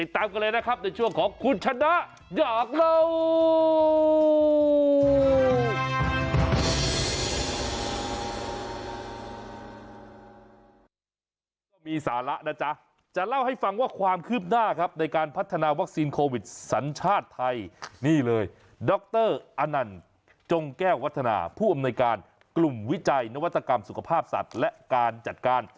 ตามกันเลยนะครับในช่วงของคุณชนะอยากเล่า